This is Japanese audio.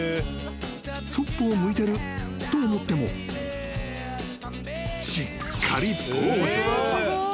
［そっぽを向いてると思ってもしっかりポーズ］